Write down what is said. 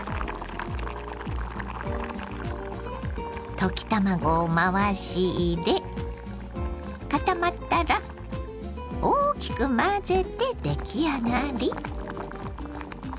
溶き卵を回し入れ固まったら大きく混ぜて出来上がり。